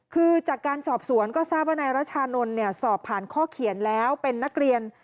คือจากการสอบสวนก็ทราบว่านายราชานนท์เนี่ยสอบผ่านข้อเขียนแล้วเป็นนักเรียน